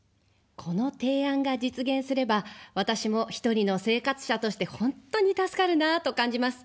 この提案が実現すれば私も１人の生活者として本当に助かるなあと感じます。